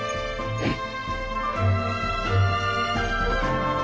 うん！